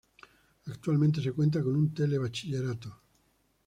Actualmente se cuenta con un tele bachillerato.